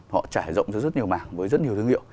họ trải rộng ra rất nhiều mảng với rất nhiều thương hiệu